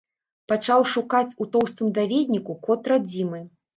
Пачаў шукаць у тоўстым даведніку код радзімы.